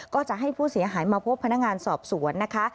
ก็จะให้ผู้เสียหายมาพบพนักงานสอบสวนนะคะ